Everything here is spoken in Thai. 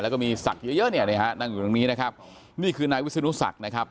แล้วก็มีศักดิ์เยอะเยอะเนี่ยนะฮะนั่งอยู่ตรงนี้นะครับนี่คือนายวิศนุศักดิ์นะครับ